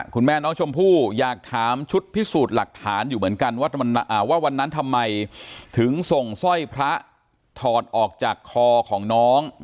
คุณแม่น้องชมพู่อยากถามชุดพิสูจน์หลักฐานอยู่เหมือนกันว่าวันนั้นทำไมถึงส่งสร้อยพระถอดออกจากคอของน้อง